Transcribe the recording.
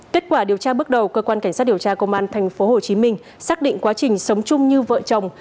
kết quả điều tra bước đầu cơ quan cảnh sát điều tra công an tp hcm xác định quá trình sống chung như vợ chồng